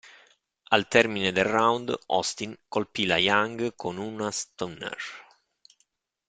Al termine del round, Austin colpì la Young con una "Stunner".